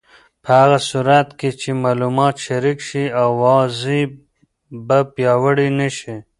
په هغه صورت کې چې معلومات شریک شي، اوازې به پیاوړې نه شي.